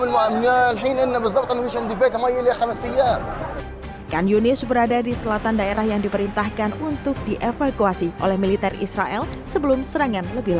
sebagai contoh banyak orang diperlukan